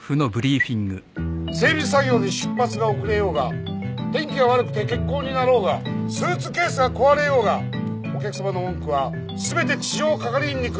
整備作業で出発が遅れようが天気が悪くて欠航になろうがスーツケースが壊れようがお客さまの文句は全て地上係員に来る。